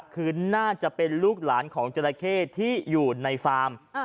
คือน่าจะเป็นลูกหลานของจราเข้ที่อยู่ในฟาร์ม